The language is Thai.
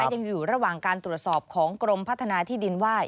ยังอยู่ระหว่างการตรวจสอบของกรมพัฒนาที่ดินไหว้